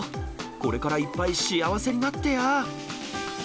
これからいっぱい幸せになってや！